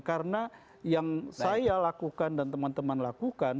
karena yang saya lakukan dan teman teman lakukan